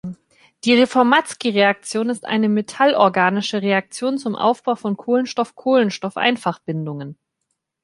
Die Reformatzki-Reaktion ist eine metallorganische Reaktion zum Aufbau von Kohlenstoff-Kohlenstoff-Einfachbindungen.